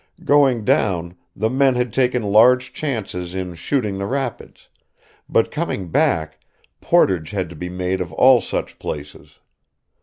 Going down, the men had taken large chances in shooting the rapids; but coming back, portage had to be made of all such places.